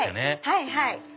はいはい。